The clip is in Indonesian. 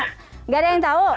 nggak ada yang tau